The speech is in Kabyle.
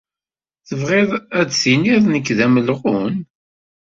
Tebɣiḍ ad d-tiniḍ nekk d amelɣun?